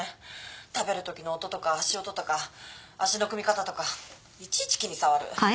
食べるときの音とか足音とか足の組み方とかいちいち気に障る。